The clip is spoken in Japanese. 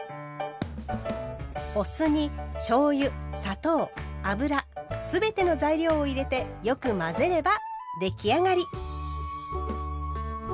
お酢にしょうゆ砂糖油すべての材料を入れてよく混ぜれば出来上がり。